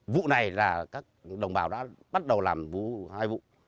vụ này là các đồng bào đã bắt đầu làm hai vụ